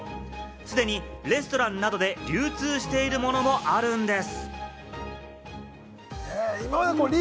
すでにレストランなどで流通しているものもあるんです。